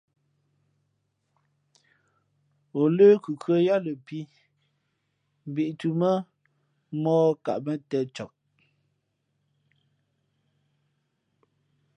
O lə̌ khʉkhʉ̄α yāā lαpī mbīʼtǔmά mōh kα mᾱ tēn cak.